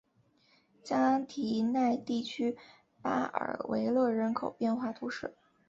加提奈地区巴尔维勒人口变化图示